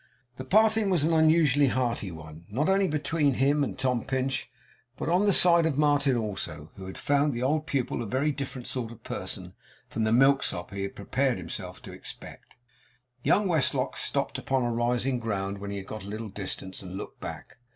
The parting was an unusually hearty one, not only as between him and Tom Pinch, but on the side of Martin also, who had found in the old pupil a very different sort of person from the milksop he had prepared himself to expect. Young Westlock stopped upon a rising ground, when he had gone a little distance, and looked back.